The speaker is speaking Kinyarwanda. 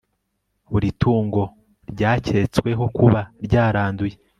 Buri tungo ryaketsweho kuba ryaranduye